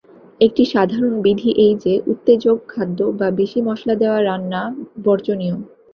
একটি সাধারণ বিধি এই যে, উত্তেজক খাদ্য বা বেশী মশলা-দেওয়া রান্না বর্জনীয়।